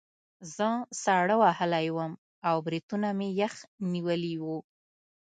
زه ساړه وهلی وم او بریتونه مې یخ نیولي وو